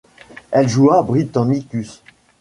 Elle joua Britannicus.